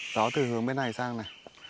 gió từ hướng bên này sang này